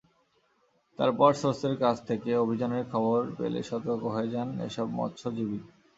তারপর সোর্সের কাছ থেকে অভিযানের খবর পেলেই সতর্ক হয়ে যান এসব মৎস্যজীবী।